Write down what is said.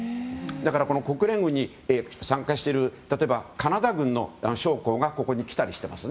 だから、国連軍に参加している例えば、カナダ軍の将校がここに来たりしています。